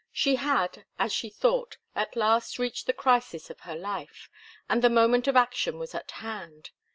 She had, as she thought, at last reached the crisis of her life, and the moment of action was at hand.